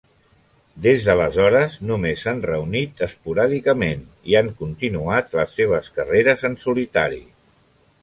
Des d'aleshores només s'han reunit esporàdicament i han continuat les seves carreres en solitari.